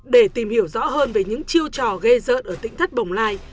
để tìm hiểu rõ hơn về những chiêu trò gây rợn ở tỉnh thất bồng lai